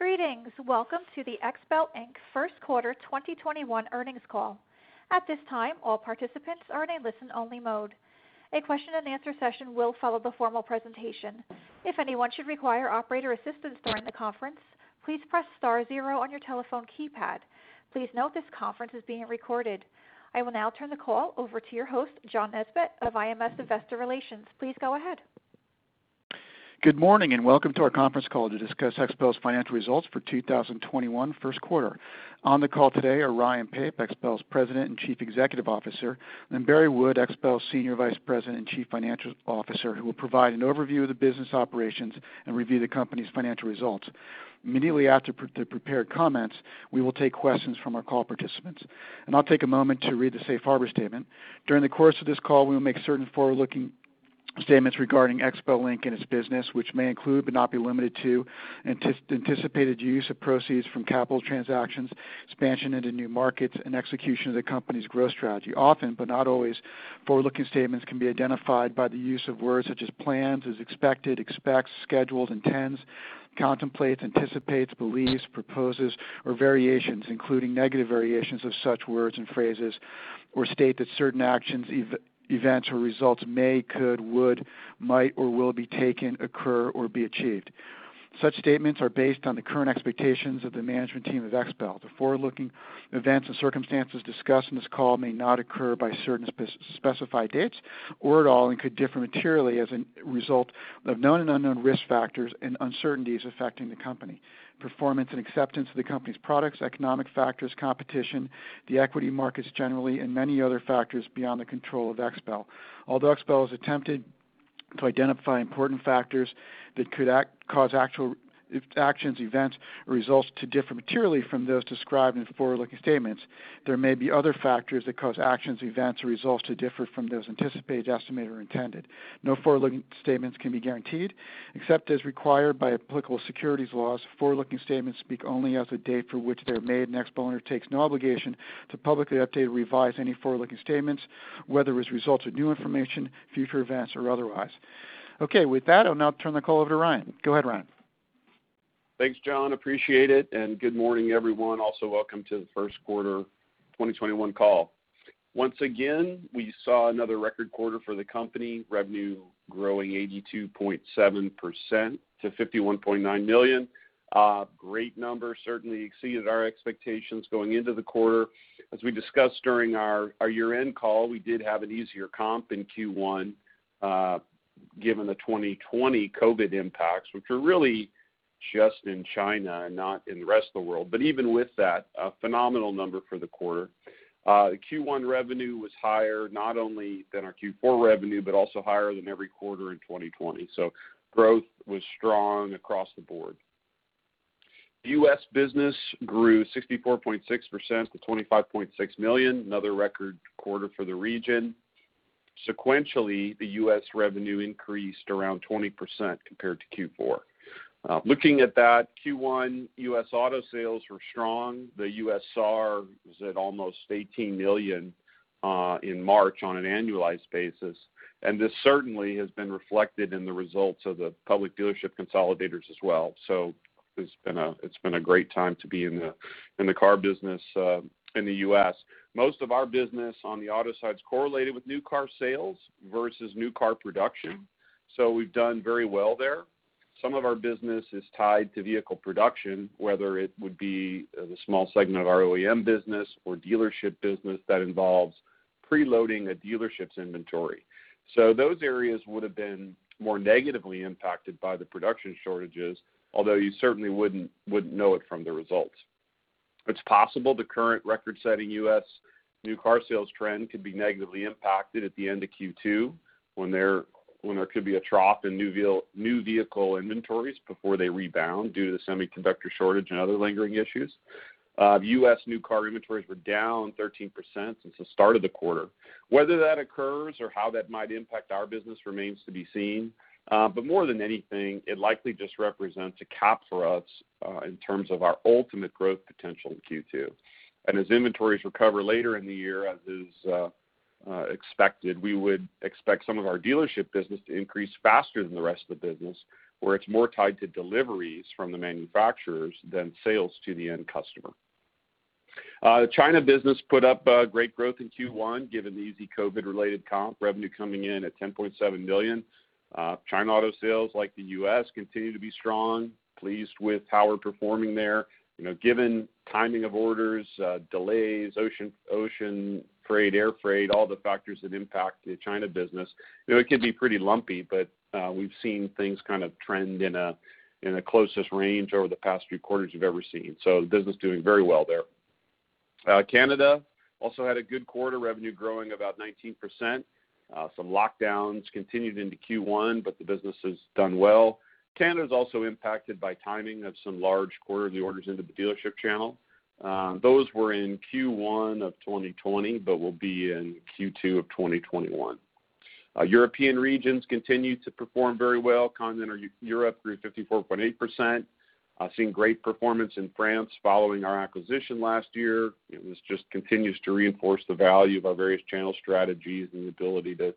Greetings. Welcome to the XPEL Inc. first quarter 2021 earnings call. At this time all participants are in a listen-only mode. A question and answer session will follow the formal presentation. If anyone should require operator assistance during the conference, please star zero on your telephone keypad. Please note that this conference is being recorded. I will now turn the call over to your host, John Nesbett of IMS Investor Relations. Please go ahead. Good morning, welcome to our conference call to discuss XPEL's financial results for 2021 first quarter. On the call today are Ryan Pape, XPEL's President and Chief Executive Officer, and Barry Wood, XPEL's Senior Vice President and Chief Financial Officer, who will provide an overview of the business operations and review the company's financial results. Immediately after the prepared comments, we will take questions from our call participants. I'll take a moment to read the safe harbor statement. During the course of this call, we will make certain forward-looking statements regarding XPEL, Inc. and its business, which may include, but not be limited to, anticipated use of proceeds from capital transactions, expansion into new markets, and execution of the company's growth strategy. Often, but not always, forward-looking statements can be identified by the use of words such as plans, is expected, expects, schedules, intends, contemplates, anticipates, believes, proposes, or variations, including negative variations of such words and phrases, or state that certain actions, events, or results may, could, would, might, or will be taken, occur, or be achieved. Such statements are based on the current expectations of the management team of XPEL. The forward-looking events and circumstances discussed in this call may not occur by certain specified dates or at all and could differ materially as a result of known and unknown risk factors and uncertainties affecting the company, performance and acceptance of the company's products, economic factors, competition, the equity markets generally, and many other factors beyond the control of XPEL. Although XPEL has attempted to identify important factors that could cause actual actions, events, or results to differ materially from those described in forward-looking statements, there may be other factors that cause actions, events, or results to differ from those anticipated, estimated, or intended. No forward-looking statements can be guaranteed except as required by applicable securities laws. Forward-looking statements speak only as of the date for which they are made, and XPEL undertakes no obligation to publicly update or revise any forward-looking statements, whether as a result of new information, future events, or otherwise. Okay. With that, I'll now turn the call over to Ryan. Go ahead, Ryan. Thanks, John. Appreciate it, good morning, everyone. Welcome to the first quarter 2021 call. Once again, we saw another record quarter for the company, revenue growing 82.7% to $51.9 million. Great number, certainly exceeded our expectations going into the quarter. As we discussed during our year-end call, we did have an easier comp in Q1, given the 2020 COVID impacts, which were really just in China and not in the rest of the world. Even with that, a phenomenal number for the quarter. The Q1 revenue was higher not only than our Q4 revenue but also higher than every quarter in 2020. Growth was strong across the board. The U.S. business grew 64.6% to $25.6 million, another record quarter for the region. Sequentially, the U.S. revenue increased around 20% compared to Q4. Looking at that, Q1 U.S. auto sales were strong. The U.S. SAAR was at almost 18 million in March on an annualized basis, and this certainly has been reflected in the results of the public dealership consolidators as well. It's been a great time to be in the car business in the U.S. Most of our business on the auto side is correlated with new car sales versus new car production, so we've done very well there. Some of our business is tied to vehicle production, whether it would be the small segment of our OEM business or dealership business that involves preloading a dealership's inventory. Those areas would have been more negatively impacted by the production shortages, although you certainly wouldn't know it from the results. It's possible the current record-setting U.S. new car sales trend could be negatively impacted at the end of Q2 when there could be a trough in new vehicle inventories before they rebound due to the semiconductor shortage and other lingering issues. The U.S. new car inventories were down 13% since the start of the quarter. Whether that occurs or how that might impact our business remains to be seen. More than anything, it likely just represents a cap for us in terms of our ultimate growth potential in Q2. As inventories recover later in the year, as is expected, we would expect some of our dealership business to increase faster than the rest of the business, where it's more tied to deliveries from the manufacturers than sales to the end customer. The China business put up great growth in Q1, given the easy COVID-related comp, revenue coming in at $10.7 million. China auto sales, like the U.S., continue to be strong. Pleased with how we're performing there. You know, given timing of orders, delays, ocean freight, air freight, all the factors that impact the China business, you know, it can be pretty lumpy. We've seen things kind of trend in a closest range over the past few quarters you've ever seen. The business is doing very well there. Canada also had a good quarter, revenue growing about 19%. Some lockdowns continued into Q1, but the business has done well. Canada's also impacted by timing of some large quarterly orders into the dealership channel. Those were in Q1 of 2020 but will be in Q2 of 2021. European regions continue to perform very well. Continental Europe grew 54.8%. Seeing great performance in France following our acquisition last year. It just continues to reinforce the value of our various channel strategies and the ability to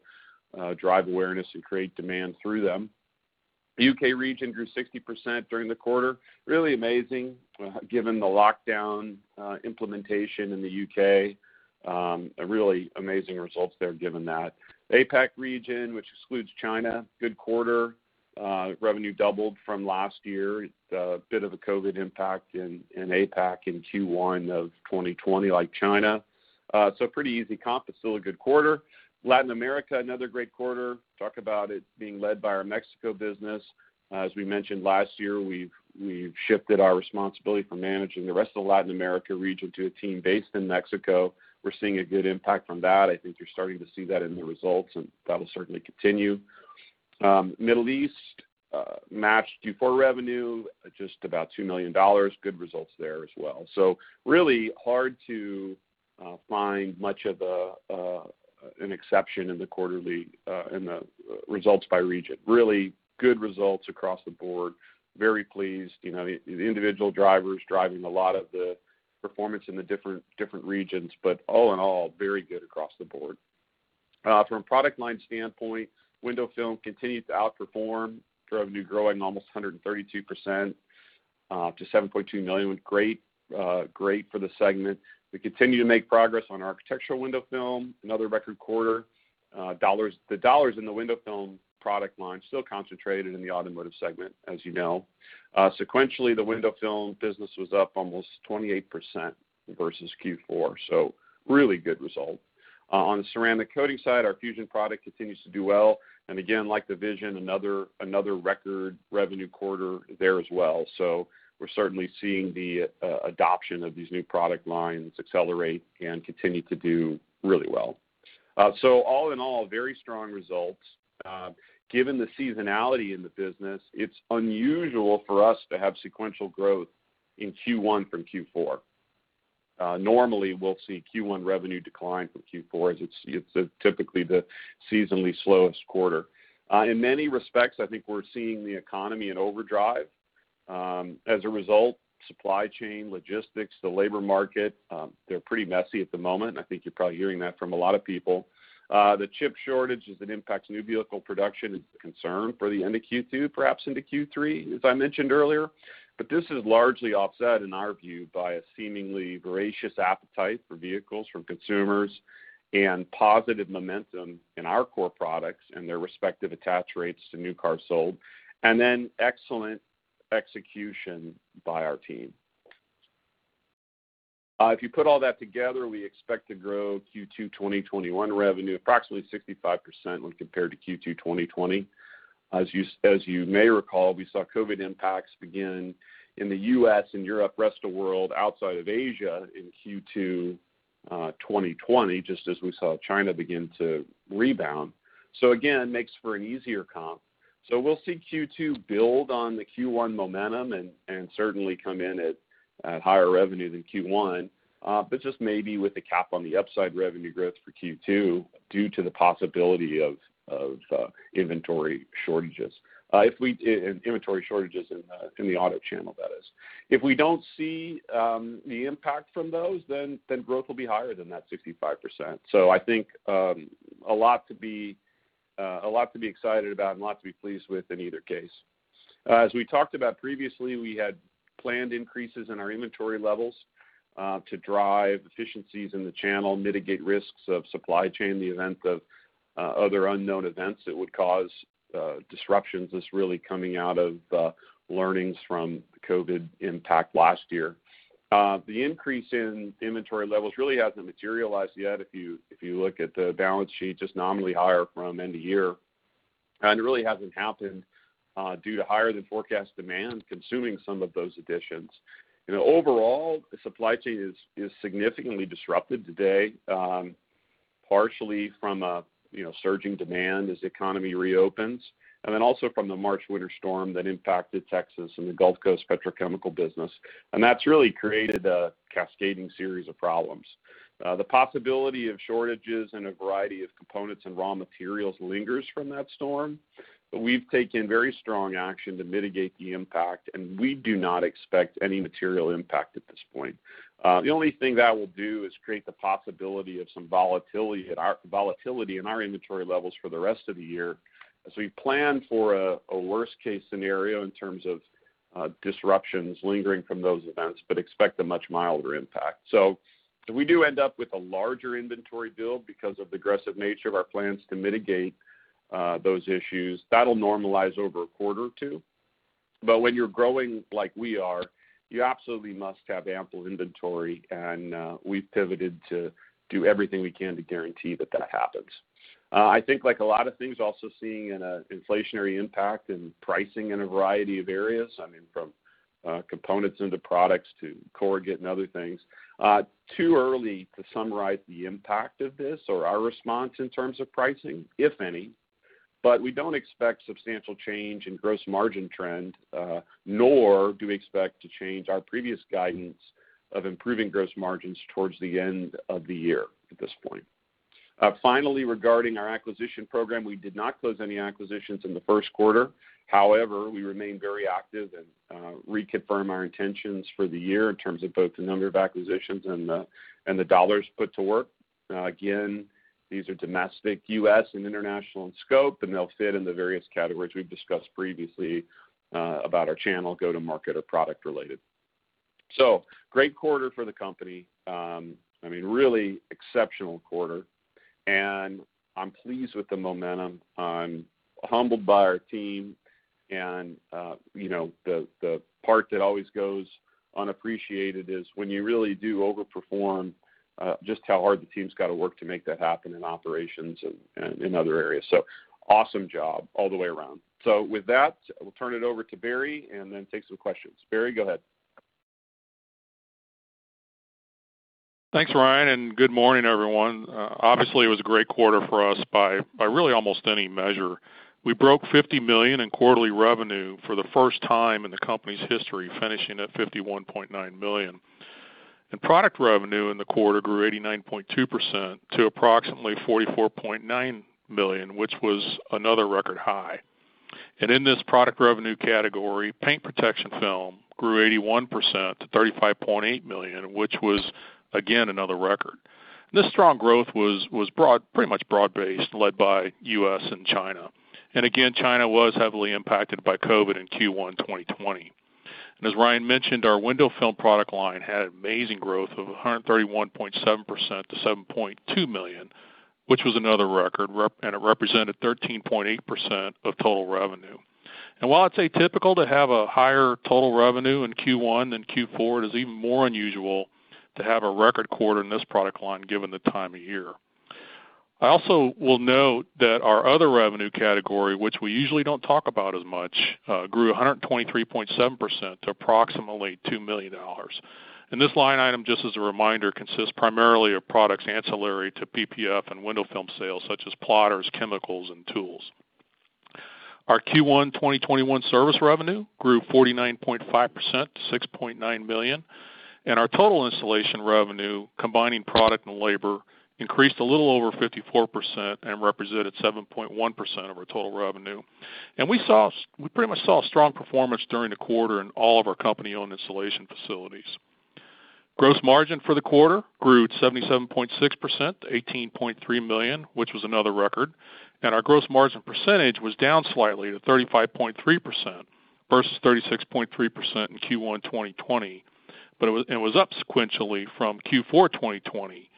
drive awareness and create demand through them. The U.K. region grew 60% during the quarter. Really amazing, given the lockdown implementation in the U.K. Really amazing results there given that. APAC region, which excludes China, good quarter. Revenue doubled from last year. It's a bit of a COVID impact in APAC in Q1 of 2020, like China. Pretty easy comp, but still a good quarter. Latin America, another great quarter. Talk about it being led by our Mexico business. As we mentioned last year, we've shifted our responsibility for managing the rest of the Latin America region to a team based in Mexico. We're seeing a good impact from that. I think you're starting to see that in the results. That'll certainly continue. Middle East matched Q4 revenue at just about $2 million. Good results there as well. Really hard to find much of an exception in the results by region. Really good results across the board. Very pleased. You know, individual drivers driving a lot of the performance in the different regions, all in all, very good across the board. From a product line standpoint, Window Film continued to outperform, revenue growing almost 132%, to $7.2 million. Great, great for the segment. We continue to make progress on architectural Window Film, another record quarter. The dollars in the Window Film product line still concentrated in the automotive segment, as you know. Sequentially, the Window Film business was up almost 28% versus Q4, really good result. On the Ceramic Coating side, our FUSION PLUS product continues to do well. Again, like the VISION, another record revenue quarter there as well. We're certainly seeing the adoption of these new product lines accelerate and continue to do really well. All in all, very strong results. Given the seasonality in the business, it's unusual for us to have sequential growth in Q1 from Q4. Normally, we'll see Q1 revenue decline from Q4 as it's typically the seasonally slowest quarter. In many respects, I think we're seeing the economy in overdrive. As a result, supply chain, logistics, the labor market, they're pretty messy at the moment. I think you're probably hearing that from a lot of people. The chip shortage as it impacts new vehicle production is a concern for the end of Q2, perhaps into Q3, as I mentioned earlier. This is largely offset, in our view, by a seemingly voracious appetite for vehicles from consumers and positive momentum in our core products and their respective attach rates to new cars sold, and then excellent execution by our team. If you put all that together, we expect to grow Q2 2021 revenue approximately 65% when compared to Q2 2020. As you may recall, we saw COVID impacts begin in the U.S. and Europe, Rest of World outside of Asia in Q2 2020, just as we saw China begin to rebound. Again, makes for an easier comp. We'll see Q2 build on the Q1 momentum and certainly come in at higher revenue than Q1, but just maybe with a cap on the upside revenue growth for Q2 due to the possibility of inventory shortages. Inventory shortages in the auto channel, that is. If we don't see the impact from those, then growth will be higher than that 65%. I think a lot to be excited about and a lot to be pleased with in either case. As we talked about previously, we had planned increases in our inventory levels to drive efficiencies in the channel, mitigate risks of supply chain in the event of other unknown events that would cause disruptions. This is really coming out of learnings from the COVID impact last year. The increase in inventory levels really hasn't materialized yet, if you look at the balance sheet, just nominally higher from end of year. It really hasn't happened due to higher than forecast demand consuming some of those additions. You know, overall, the supply chain is significantly disrupted today, partially from a, you know, surging demand as the economy reopens, also from the March winter storm that impacted Texas and the Gulf Coast petrochemical business. That's really created a cascading series of problems. The possibility of shortages in a variety of components and raw materials lingers from that storm. We've taken very strong action to mitigate the impact, and we do not expect any material impact at this point. The only thing that will do is create the possibility of some volatility in our inventory levels for the rest of the year. We plan for a worst-case scenario in terms of disruptions lingering from those events, but expect a much milder impact. If we do end up with a larger inventory build because of the aggressive nature of our plans to mitigate those issues, that'll normalize over a quarter or two. When you're growing like we are, you absolutely must have ample inventory, and we've pivoted to do everything we can to guarantee that that happens. I think like a lot of things, also seeing an inflationary impact in pricing in a variety of areas, I mean, from components into products to corrugate and other things. Too early to summarize the impact of this or our response in terms of pricing, if any. We don't expect substantial change in gross margin trend, nor do we expect to change our previous guidance of improving gross margins towards the end of the year at this point. Finally, regarding our acquisition program, we did not close any acquisitions in the first quarter. We remain very active and reconfirm our intentions for the year in terms of both the number of acquisitions and the dollars put to work. Again, these are domestic U.S. and international in scope, and they'll fit in the various categories we've discussed previously, about our channel go-to-market or product related. Great quarter for the company. I mean, really exceptional quarter, and I'm pleased with the momentum. I'm humbled by our team. You know, the part that always goes unappreciated is when you really do overperform, just how hard the team's got to work to make that happen in operations and in other areas. Awesome job all the way around. With that, we'll turn it over to Barry and then take some questions. Barry, go ahead. Thanks, Ryan. Good morning, everyone. Obviously, it was a great quarter for us by really almost any measure. We broke $50 million in quarterly revenue for the first time in the company's history, finishing at $51.9 million. Product revenue in the quarter grew 89.2% to approximately $44.9 million, which was another record high. In this product revenue category, Paint Protection Film grew 81% to $35.8 million, which was, again, another record. This strong growth was pretty much broad-based, led by U.S. and China. Again, China was heavily impacted by COVID in Q1 2020. As Ryan mentioned, our Window Film product line had amazing growth of 131.7% to $7.2 million, which was another record, and it represented 13.8% of total revenue. While it's atypical to have a higher total revenue in Q1 than Q4, it is even more unusual to have a record quarter in this product line given the time of year. I also will note that our other revenue category, which we usually don't talk about as much, grew 123.7% to approximately $2 million. This line item, just as a reminder, consists primarily of products ancillary to PPF and Window Film sales such as plotters, chemicals, and tools. Our Q1 2021 service revenue grew 49.5% to $6.9 million. Our total installation revenue, combining product and labor, increased a little over 54% and represented 7.1% of our total revenue. We pretty much saw strong performance during the quarter in all of our company-owned installation facilities. Gross margin for the quarter grew 77.6% to $18.3 million, which was another record. Our gross margin percentage was down slightly to 35.3% versus 36.3% in Q1 2020. It was up sequentially from Q4 2020,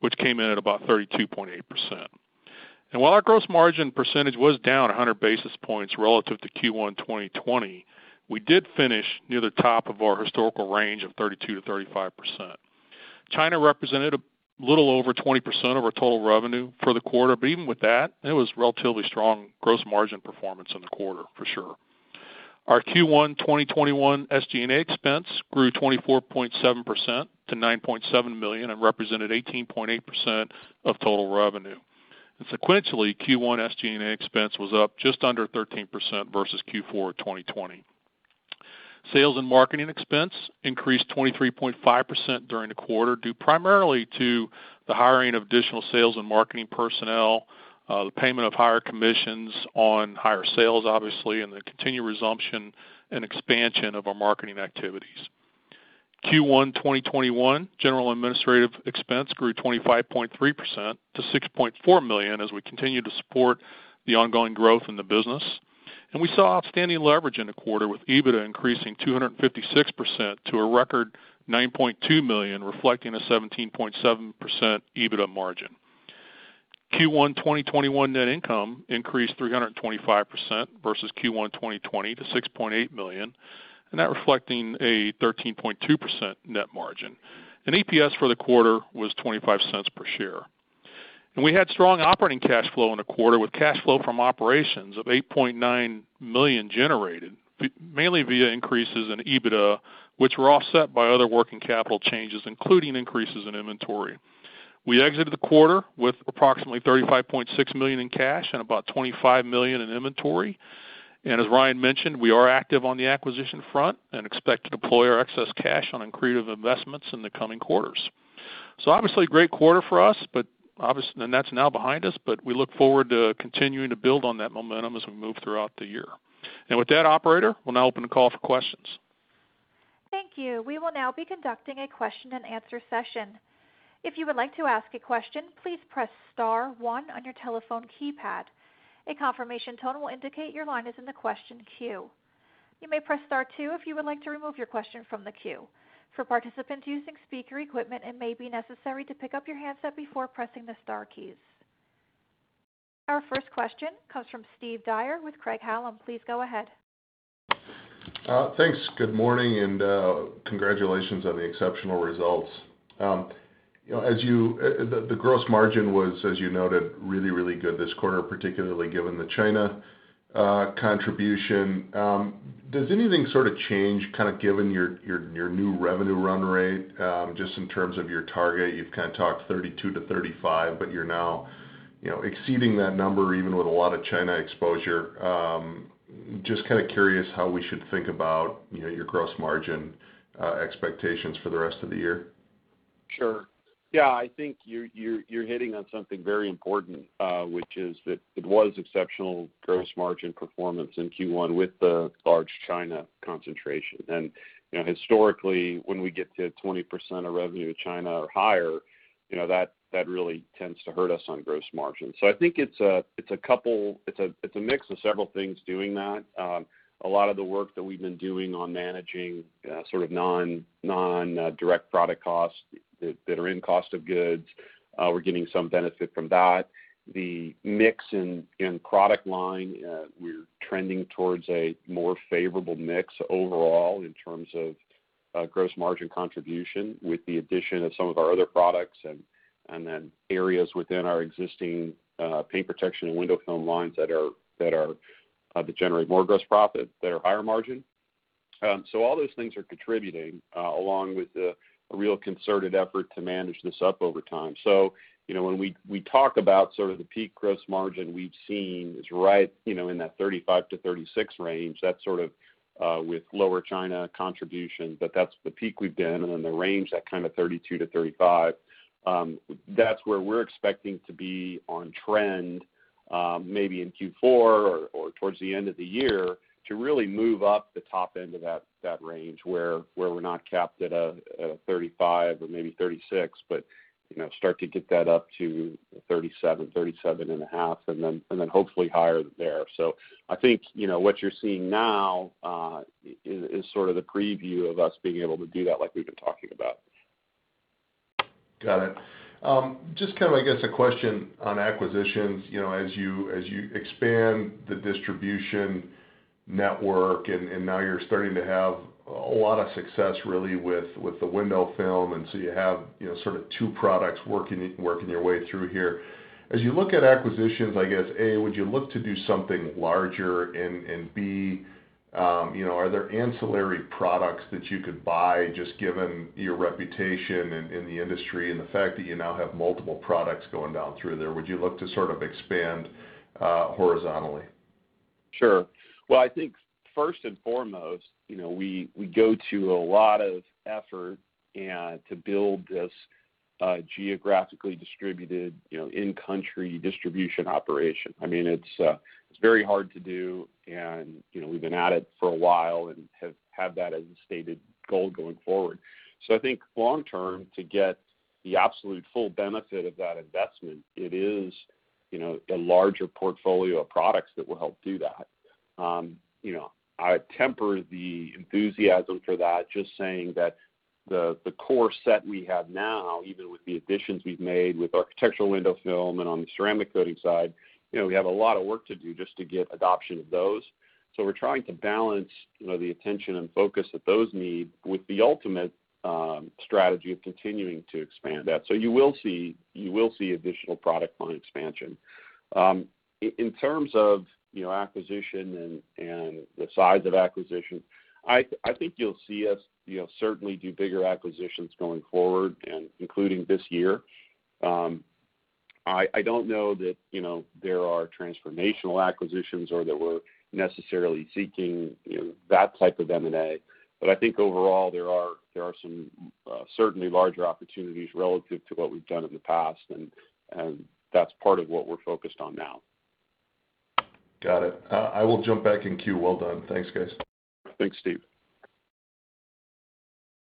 which came in at about 32.8%. While our gross margin percentage was down 100 basis points relative to Q1 2020, we did finish near the top of our historical range of 32%-35%. China represented a little over 20% of our total revenue for the quarter, but even with that, it was relatively strong gross margin performance in the quarter for sure. Our Q1 2021 SG&A expense grew 24.7% to $9.7 million and represented 18.8% of total revenue. Sequentially, Q1 SG&A expense was up just under 13% versus Q4 2020. Sales and marketing expense increased 23.5% during the quarter, due primarily to the hiring of additional sales and marketing personnel, the payment of higher commissions on higher sales, obviously, and the continued resumption and expansion of our marketing activities. Q1 2021 general administrative expense grew 25.3% to $6.4 million as we continue to support the ongoing growth in the business. We saw outstanding leverage in the quarter with EBITDA increasing 256% to a record $9.2 million, reflecting a 17.7% EBITDA margin. Q1 2021 net income increased 325% versus Q1 2020 to $6.8 million, and that reflecting a 13.2% net margin. EPS for the quarter was $0.25 per share. We had strong operating cash flow in the quarter with cash flow from operations of $8.9 million generated, mainly via increases in EBITDA, which were offset by other working capital changes, including increases in inventory. We exited the quarter with approximately $35.6 million in cash and about $25 million in inventory. As Ryan mentioned, we are active on the acquisition front and expect to deploy our excess cash on accretive investments in the coming quarters. Obviously a great quarter for us, and that's now behind us, but we look forward to continuing to build on that momentum as we move throughout the year. With that, operator, we'll now open the call for questions. Thank you. We will now be conducting a question and answer session. If you would like to ask a question, please press star one on your telephone keypad. A confirmation tone will indicate your line is in the question queue. You may press star two if you would like to remove your question from the queue. For participants using speaker equipment, it may be necessary to pick up your handset before pressing the star keys. Our first question comes from Steve Dyer with Craig-Hallum. Please go ahead. Thanks. Good morning, congratulations on the exceptional results. You know, as you noted, the gross margin was really, really good this quarter, particularly given the China contribution. Does anything sort of change kind of given your new revenue run rate, just in terms of your target? You've kind of talked 32%-35%, you're now, you know, exceeding that number even with a lot of China exposure. Just kind of curious how we should think about, you know, your gross margin expectations for the rest of the year. Sure. Yeah, I think you're hitting on something very important, which is that it was exceptional gross margin performance in Q1 with the large China concentration. You know, historically, when we get to 20% of revenue to China or higher, you know, that really tends to hurt us on gross margins. I think it's a mix of several things doing that. A lot of the work that we've been doing on managing, sort of non-direct product costs that are in cost of goods, we're getting some benefit from that. The mix in product line, we're trending towards a more favorable mix overall in terms of gross margin contribution with the addition of some of our other products and then areas within our existing Paint Protection Film and Window Film lines that are that generate more gross profit, that are higher margin. All those things are contributing along with the real concerted effort to manage this up over time. You know, when we talk about sort of the peak gross margin we've seen is right, you know, in that 35%-36% range. That's sort of with lower China contribution, that's the peak we've been. The range, that kind of 32%-35%, that's where we're expecting to be on trend, maybe in Q4 towards the end of the year to really move up the top end of that range where we're not capped at a 35% or maybe 36%, but, you know, start to get that up to 37.5%, and then hopefully higher there. You know, what you're seeing now, is sort of the preview of us being able to do that like we've been talking about. Got it. Just kind of, I guess, a question on acquisitions. You know, as you expand the distribution network and now you're starting to have a lot of success really with the Window Film, you have, you know, sort of two products working your way through here. As you look at acquisitions, I guess, A, would you look to do something larger? And B, you know, are there ancillary products that you could buy just given your reputation in the industry and the fact that you now have multiple products going down through there? Would you look to sort of expand horizontally? Sure. Well, I think first and foremost, we go to a lot of effort to build this geographically distributed in-country distribution operation. I mean, it's very hard to do, and we've been at it for a while and have had that as a stated goal going forward. I think long term, to get the absolute full benefit of that investment, it is a larger portfolio of products that will help do that. I temper the enthusiasm for that just saying that the core set we have now, even with the additions we've made with architectural Window Film and on the Ceramic Coating side, we have a lot of work to do just to get adoption of those. We're trying to balance, you know, the attention and focus that those need with the ultimate strategy of continuing to expand that. In terms of, you know, acquisition and the size of acquisition, I think you'll see us, you know, certainly do bigger acquisitions going forward and including this year. I don't know that, you know, there are transformational acquisitions or that we're necessarily seeking, you know, that type of M&A. I think overall there are some certainly larger opportunities relative to what we've done in the past, and that's part of what we're focused on now. Got it. I will jump back in queue. Well done. Thanks, guys. Thanks, Steve.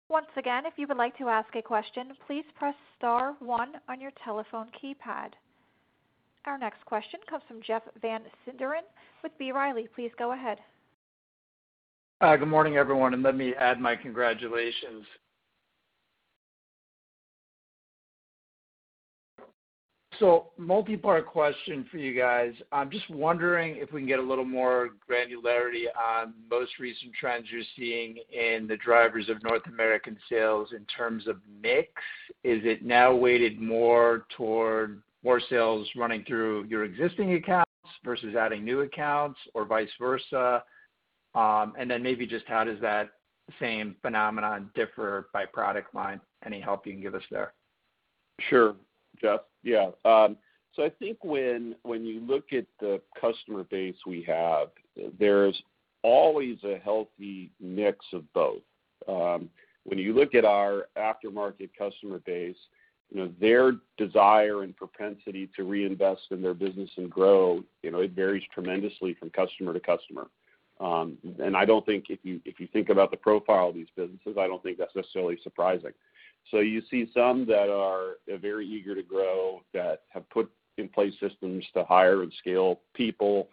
Once again, if you would like to ask a question, please press star one on your telephone keypad. Our next question comes from Jeff Van Sinderen with B. Riley. Please go ahead. Hi, good morning, everyone. Let me add my congratulations. Multi-part question for you guys. I'm just wondering if we can get a little more granularity on most recent trends you're seeing in the drivers of North American sales in terms of mix. Is it now weighted more toward more sales running through your existing accounts versus adding new accounts or vice versa? Maybe just how does that same phenomenon differ by product line? Any help you can give us there? Sure, Jeff. Yeah. I think when you look at the customer base we have, there's always a healthy mix of both. When you look at our aftermarket customer base, you know, their desire and propensity to reinvest in their business and grow, you know, it varies tremendously from customer to customer. I don't think if you think about the profile of these businesses, I don't think that's necessarily surprising. You see some that are very eager to grow, that have put in place systems to hire and scale people,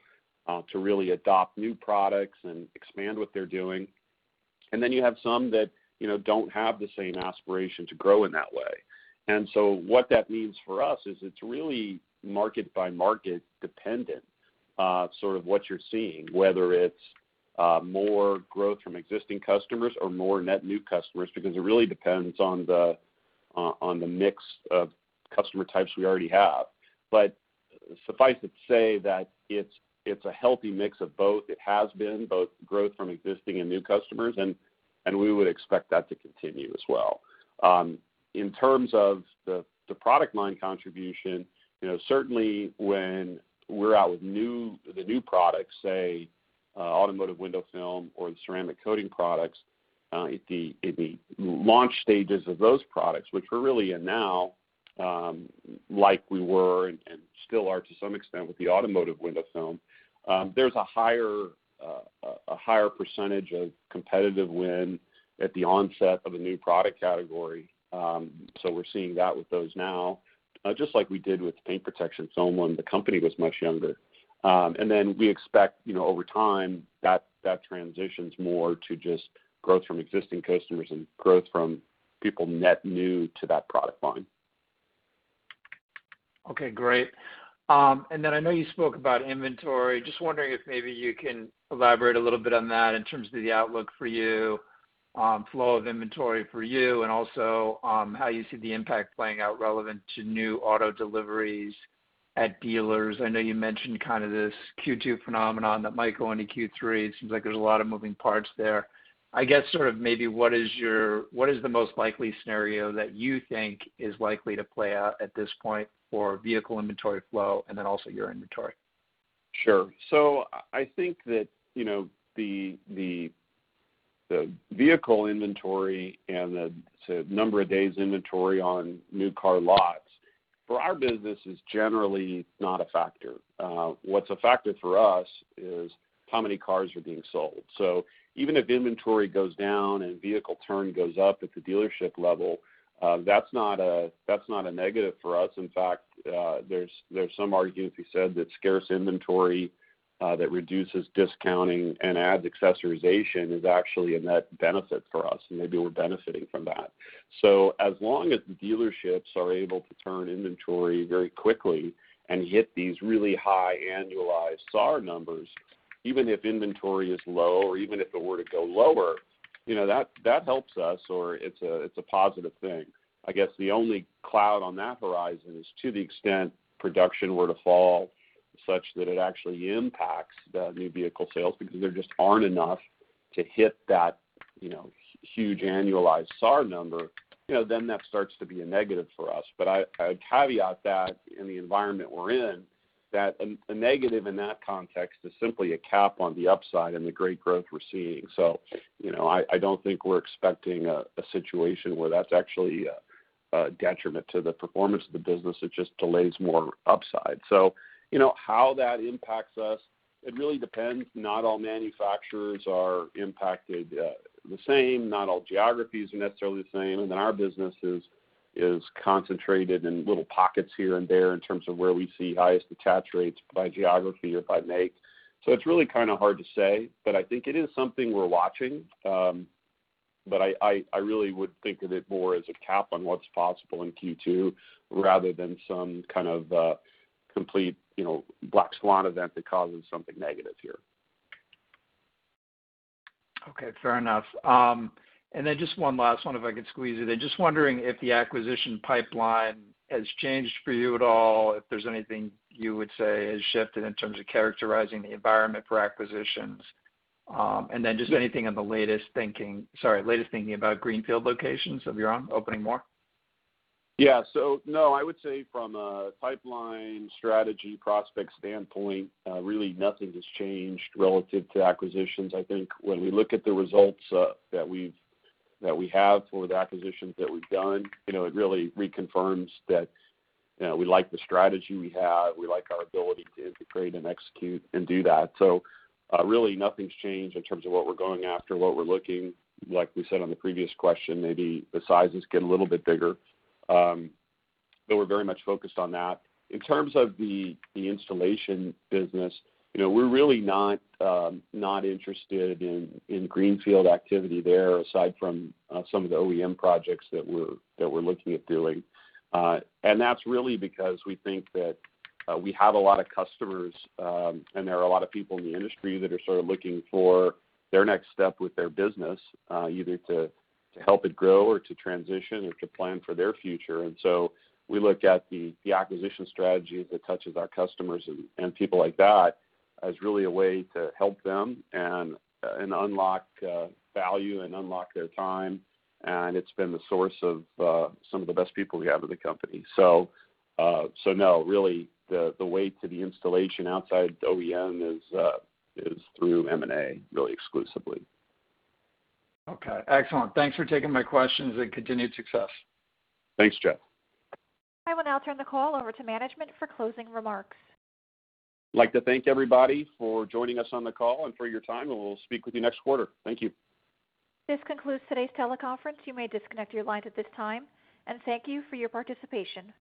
to really adopt new products and expand what they're doing. You have some that, you know, don't have the same aspiration to grow in that way. What that means for us is it's really market by market dependent, sort of what you're seeing, whether it's more growth from existing customers or more net new customers, because it really depends on the mix of customer types we already have. Suffice it to say that it's a healthy mix of both. It has been both growth from existing and new customers, and we would expect that to continue as well. In terms of the product line contribution, you know, certainly when we're out with new, the new products, say automotive Window Film or the Ceramic Coating products, at the launch stages of those products, which we're really in now, like we were and still are to some extent with the automotive Window Film, there's a higher percentage of competitive win at the onset of a new product category. We're seeing that with those now, just like we did with Paint Protection Film when the company was much younger. We expect, you know, over time that transitions more to just growth from existing customers and growth from people net new to that product line. Okay, great. Then I know you spoke about inventory. Just wondering if maybe you can elaborate a little bit on that in terms of the outlook for you, flow of inventory for you, and also, how you see the impact playing out relevant to new auto deliveries at dealers. I know you mentioned kind of this Q2 phenomenon that might go into Q3. It seems like there's a lot of moving parts there. I guess sort of maybe what is the most likely scenario that you think is likely to play out at this point for vehicle inventory flow and then also your inventory? Sure. I think that, you know, the vehicle inventory and the number of days inventory on new car lots for our business is generally not a factor. What's a factor for us is how many cars are being sold. Even if inventory goes down and vehicle turn goes up at the dealership level, that's not a negative for us. In fact, there's some argument to be said that scarce inventory that reduces discounting and adds accessorization is actually a net benefit for us, and maybe we're benefiting from that. As long as the dealerships are able to turn inventory very quickly and hit these really high annualized SAAR numbers, even if inventory is low or even if it were to go lower, you know, that helps us or it's a positive thing. I guess the only cloud on that horizon is to the extent production were to fall such that it actually impacts the new vehicle sales because there just aren't enough to hit that, you know, huge annualized SAAR number, you know, then that starts to be a negative for us. I'd caveat that in the environment we're in that a negative in that context is simply a cap on the upside and the great growth we're seeing. You know, I don't think we're expecting a situation where that's actually a detriment to the performance of the business. It just delays more upside. You know, how that impacts us, it really depends. Not all manufacturers are impacted the same. Not all geographies are necessarily the same. Our business is concentrated in little pockets here and there in terms of where we see highest attach rates by geography or by make. It's really kind of hard to say, but I think it is something we're watching. But I really would think of it more as a cap on what's possible in Q2 rather than some kind of complete, you know, black swan event that causes something negative here. Okay. Fair enough. Just one last one if I could squeeze it in. Just wondering if the acquisition pipeline has changed for you at all, if there's anything you would say has shifted in terms of characterizing the environment for acquisitions. Just anything on the latest thinking about greenfield locations of your own, opening more? Yeah. No, I would say from a pipeline strategy prospect standpoint, really nothing has changed relative to acquisitions. I think when we look at the results that we have for the acquisitions that we've done, you know, it really reconfirms that, you know, we like the strategy we have, we like our ability to integrate and execute and do that. Really nothing's changed in terms of what we're going after, what we're looking. Like we said on the previous question, maybe the sizes get a little bit bigger. We're very much focused on that. In terms of the installation business, you know, we're really not not interested in greenfield activity there, aside from some of the OEM projects that we're looking at doing. That's really because we think that we have a lot of customers, and there are a lot of people in the industry that are sort of looking for their next step with their business, either to help it grow or to transition or to plan for their future. We look at the acquisition strategy that touches our customers and people like that as really a way to help them and unlock value and unlock their time. It's been the source of some of the best people we have in the company. No, really the way to the installation outside OEM is through M&A really exclusively. Okay. Excellent. Thanks for taking my questions and continued success. Thanks, Jeff. I will now turn the call over to management for closing remarks. Like to thank everybody for joining us on the call and for your time, and we'll speak with you next quarter. Thank you. This concludes today's teleconference. You may disconnect your lines at this time, and thank you for your participation.